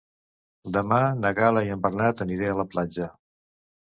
Demà na Gal·la i en Bernat aniré a la platja.